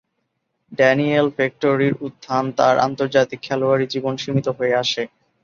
Daniel ভেট্টোরি’র উত্থানে তার আন্তর্জাতিক খেলোয়াড়ী জীবন সীমিত হয়ে আসে।